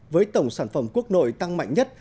với tổng sản phẩm quốc nội tăng mạnh nhất